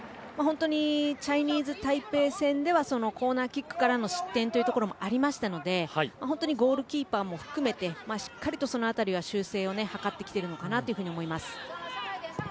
チャイニーズタイペイ戦ではコーナーキックからの失点というところもありましたのでゴールキーパーも含めてその辺りはしっかりと修正を図ってきているのかなと思います。